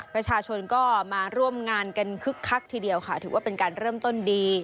ประชาชนก็มาร่วมงานกันคึกคักทีเดียวค่ะถือว่าเป็นการเริ่มต้นดี